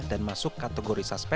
dan masuk kategori suspek